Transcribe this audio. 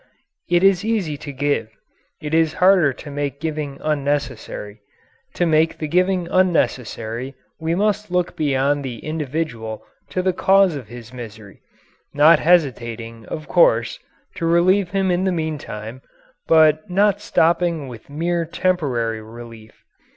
It is easy to give; it is harder to make giving unnecessary. To make the giving unnecessary we must look beyond the individual to the cause of his misery not hesitating, of course, to relieve him in the meantime, but not stopping with mere temporary relief.